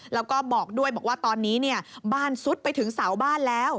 แล้วก็บอกด้วยบอกว่าตอนนี้บ้านซุดไปถึงเสาบ้านแล้ว